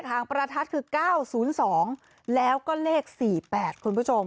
ประทัดคือ๙๐๒แล้วก็เลข๔๘คุณผู้ชม